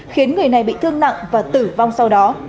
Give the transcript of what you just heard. khiến người này bị thương nặng và tử vong sau đó